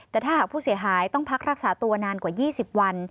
แต่ถ้าหากผู้เสียหายต้องพักรักษาตัวนานกว่า๒๐วัน